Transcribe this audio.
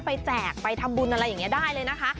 ไปแจกไปทำบุญอะไรแบบนี้ได้เลยนะคะ